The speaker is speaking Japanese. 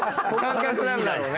感覚なんだろうね。